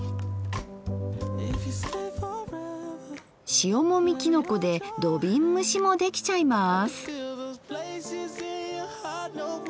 塩もみきのこで土瓶蒸しもできちゃいます。